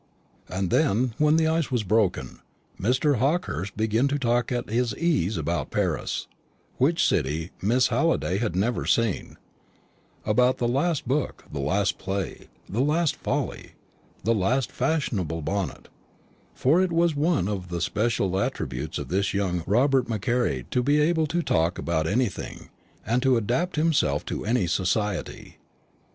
And then, when the ice was broken, Mr. Hawkehurst began to talk at his ease about Paris, which city Miss Halliday had never seen; about the last book, the last play, the last folly, the last fashionable bonnet; for it was one of the special attributes of this young Robert Macaire to be able to talk about anything, and to adapt himself to any society.